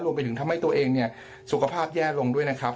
รวมไปถึงทำให้ตัวเองเนี่ยสุขภาพแย่ลงด้วยนะครับ